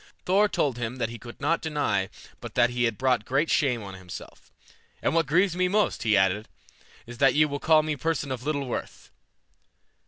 Thor told him that he could not deny but that he had brought great shame on himself. "And what grieves me most," he added, "is that ye will call me a person of little worth."